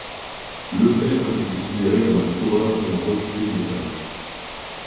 Lefèvre est considéré comme un coureur ayant refusé le dopage.